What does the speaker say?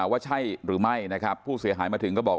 ว่าใช่หรือไม่นะครับผู้เสียหายมาถึงก็บอก